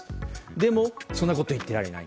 でも、そんなこと言ってられない。